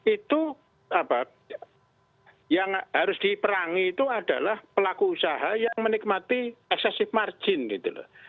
itu apa yang harus diperangi itu adalah pelaku usaha yang menikmati excessive margin gitu loh